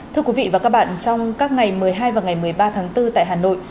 thưa quý vị và các bạn trong các ngày một mươi hai và ngày một mươi ba tháng bốn tại hà nội